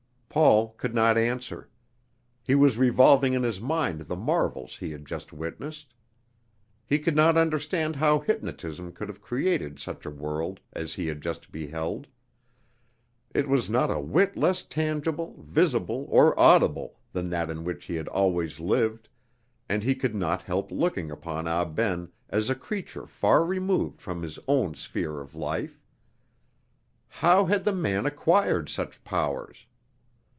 Paul could not answer. He was revolving in his mind the marvels he had just witnessed. He could not understand how hypnotism could have created such a world as he had just beheld. It was not a whit less tangible, visible, or audible than that in which he had always lived, and he could not help looking upon Ah Ben as a creature far removed from his own sphere of life. How had the man acquired such powers?